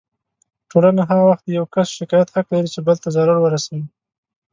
ټولنه هغه وخت د يو کس شکايت حق لري چې بل ته ضرر ورسوي.